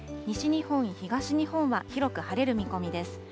西日本、東日本は広く晴れる見込みです。